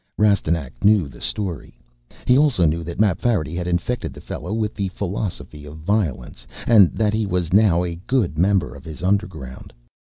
Rastignac knew the story. He also knew that Mapfarity had infected the fellow with the philosophy of Violence and that he was now a good member of his Underground.